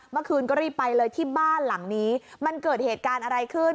เมื่อคืนก็รีบไปเลยที่บ้านหลังนี้มันเกิดเหตุการณ์อะไรขึ้น